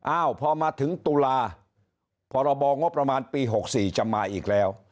อ้าวพอมาถึงตุลาพรบงบประมาณปี๖๔จะมาอีกแล้ว